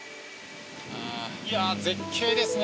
いや絶景ですね。